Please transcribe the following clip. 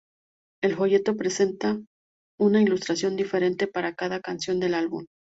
El folleto presenta una ilustración diferente para cada canción del álbum.